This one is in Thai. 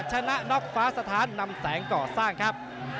ชนะน็อกฟ้าสถานนำแสงก่อสร้างครับ